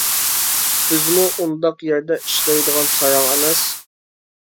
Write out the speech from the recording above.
بىزمۇ ئۇنداق يەردە ئىشلەيدىغان ساراڭ ئەمەس.